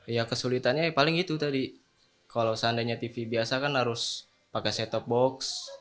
ya kesulitannya ya paling itu tadi kalau seandainya tv biasa kan harus pakai set top box